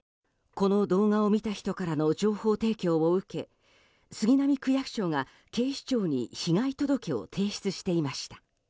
この動画を見た人からの情報提供を受け杉並区役所が警視庁に被害届を提出していました。